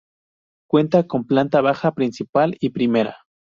Cuenta con planta baja, principal y primera.